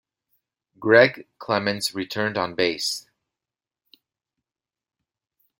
Gregg Clemons returned on bass.